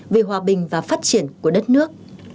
vì hòa bình và phát triển của đất nước